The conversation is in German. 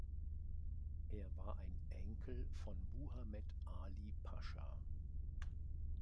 Er war ein Enkel von Muhammad Ali Pascha.